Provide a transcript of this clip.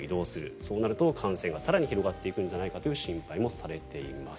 そうなると感染が更に広がっていくんじゃないかという心配もされています。